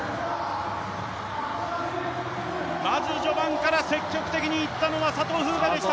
まず序盤から積極的にいったのは佐藤風雅でした。